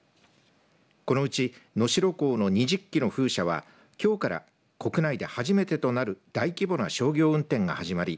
このうち能代港の２０基の風車はきょうから国内で初めてとなる大規模な商業運転が始まり